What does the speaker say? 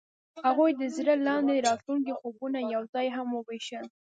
هغوی د زړه لاندې د راتلونکي خوبونه یوځای هم وویشل.